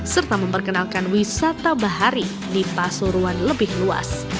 serta memperkenalkan wisata bahari di pasuruan lebih luas